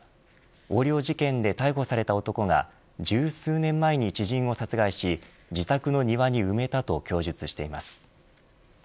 横領事件で逮捕された男が十数年前に知人を殺害し自宅の庭に埋めたと供述しています。